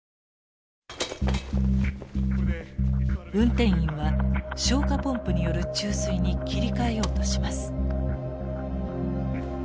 運転員は消火ポンプによる注水に切り替えようとします。